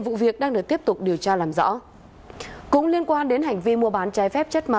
vụ việc đang được tiếp tục điều tra làm rõ cũng liên quan đến hành vi mua bán trái phép chất ma túy